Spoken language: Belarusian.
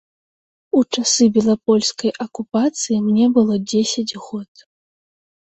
У часы белапольскай акупацыі мне было дзесяць год.